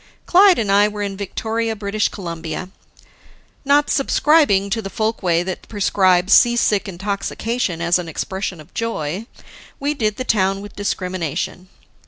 Clyde and I were in Victoria, British Columbia. Not subscribing to the folkway that prescribes seasick intoxication as an expression of joy, we did the town with discrimination.